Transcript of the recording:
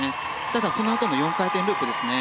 ただそのあとの４回転ループですね。